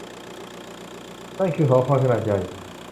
นั่นคือหอคอยขนาดใหญ่ !